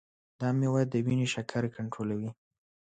دا میوه د وینې شکر کنټرولوي.